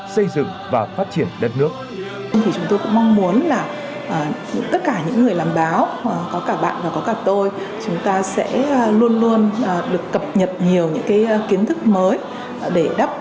xây dựng và phát triển đất nước